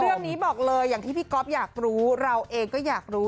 เรื่องนี้บอกเลยอย่างที่พี่ก๊อฟอยากรู้เราเองก็อยากรู้